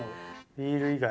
ビール以外。